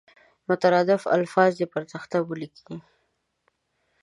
مترادف الفاظ دې پر تخته ولیکي.